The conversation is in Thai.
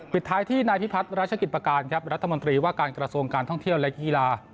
ปิดท้ายที่นายพิพัฒน์ราชกิจประการครับรัฐมนตรีว่าการกระทรวงการท่องเที่ยวและกีฬา